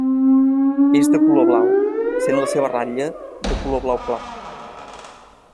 És de color blau, sent la seva ratlla de color blau clar.